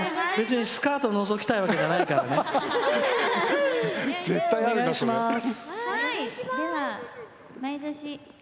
別にスカートをのぞきたいわけじゃないからね。